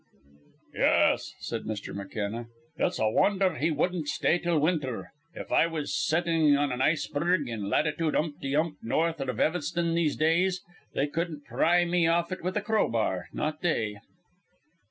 "Yes," said Mr. McKenna. "It's a wonder he wouldn't stay till winter. If I was setting on an iceberg in latitude umpty ump north of Evanston these days, they couldn't pry me off it with a crowbar. Not they."